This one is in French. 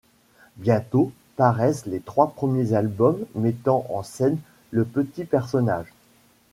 Bientôt paraissent les trois premiers albums mettant en scène le petit personnage.